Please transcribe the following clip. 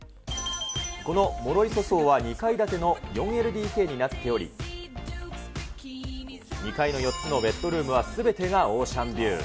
このモロイソソーは、２階建ての４ＬＤＫになっており、２階の４つのベッドルームはすべてがオーシャンビュー。